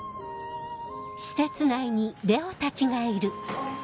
あっ。